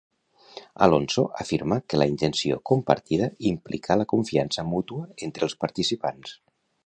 Alonso afirma que la intenció compartida implica la confiança mútua entre els participants.